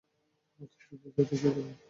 তোদের কে দেখিয়ে দেবো।